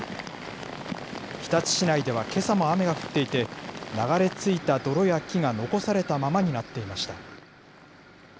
日立市内ではけさも雨が降っていて、流れ着いた泥や木が残されたままになっていました。